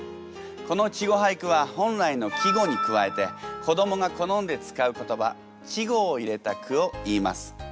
この稚語俳句は本来の季語に加えて子どもが好んで使う言葉稚語を入れた句をいいます。